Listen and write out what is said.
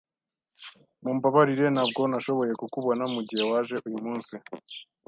Mumbabarire ntabwo nashoboye kukubona mugihe waje uyu munsi.